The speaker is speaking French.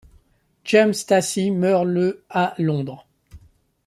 James Tassie meurt le à Londres.